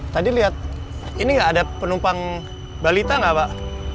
tadi lihat ini gak ada penumpang balita gak pak